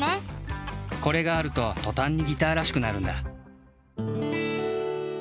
これがあるととたんにギターらしくなるんだ。